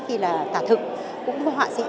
thì là tả thực cũng có họa sĩ